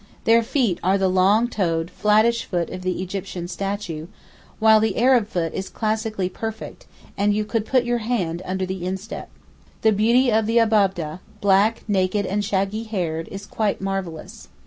Their feet are the long toed, flattish foot of the Egyptian statue, while the Arab foot is classically perfect and you could put your hand under the instep. The beauty of the Ababdeh, black, naked, and shaggy haired, is quite marvellous.